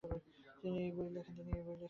তিনি এই বই লিখেন।